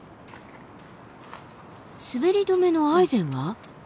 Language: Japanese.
滑り止めのアイゼンは？